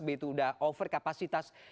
begitu sudah over kapasitas